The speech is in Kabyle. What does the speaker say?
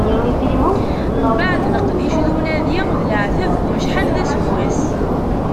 Mbeɛd leqdic d unadi d leɛtab n wacḥal d aseggas.